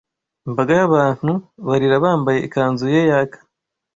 imbaga y'abantu, barira bambaye ikanzu ye yaka